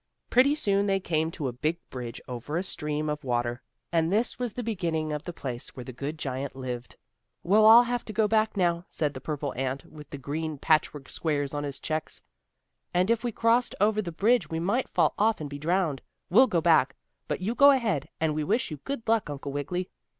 Pretty soon they came to a big bridge, over a stream of water, and this was the beginning of the place where the good giant lived. "We'll all have to go back now," said the purple ant, with the green patchwork squares on his checks. "If we crossed over the bridge we might fall off and be drowned. We'll go back, but you go ahead, and we wish you good luck, Uncle Wiggily."